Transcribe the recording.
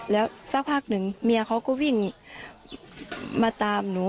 แล้วสักพักหนึ่งเมียเขาก็วิ่งมาตามหนู